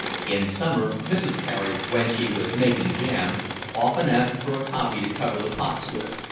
In summer Mrs. Carey, when she was making jam, often asked her for a copy to cover the pots with.